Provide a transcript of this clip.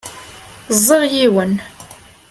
Ẓẓiɣ yiwen.